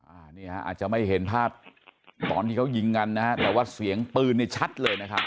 อาจจะไม่เห็นภาพตอนที่เขายิงกันนะแต่ว่าเสียงปืนชัดเลยนะครับ